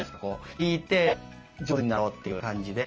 弾いて上手になろうっていう感じで。